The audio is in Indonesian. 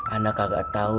anak kagak tahu